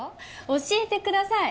教えてください！